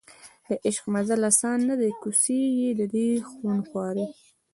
د عشق مزل اسان نه دی کوڅې یې دي خونخوارې